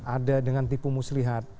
ada dengan tipu muslihat